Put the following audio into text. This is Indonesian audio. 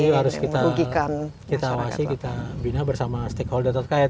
itu harus kita awasi kita bina bersama stakeholder terkait